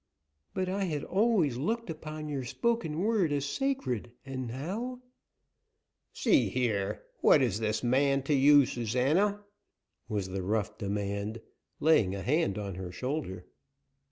"But I had always looked upon your spoken word as sacred, and now " "See here, what is this man to you, Susana?" was the rough demand, laying a hand on her shoulder.